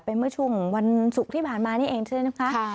เมื่อช่วงวันศุกร์ที่ผ่านมานี่เองใช่ไหมคะ